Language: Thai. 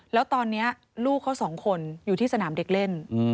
แล้วตอนนี้ลูกเขาสองคนอยู่ที่สนามเด็กเล่น